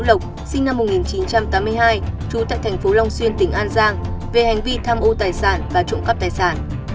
lê lộc sinh năm một nghìn chín trăm tám mươi hai trú tại thành phố long xuyên tỉnh an giang về hành vi tham ô tài sản và trộm cắp tài sản